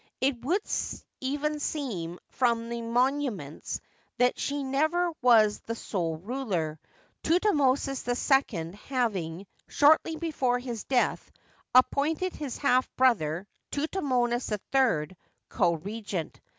It would even seem, from the monuments, that she never was the sole ruler, Thutmosis II having, shortly before his death, appointed his half brother Thut mosis III co regent.